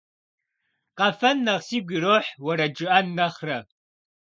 Къэфэн нэхъ сигу ирохь уэрэд жыӏэн нэхърэ.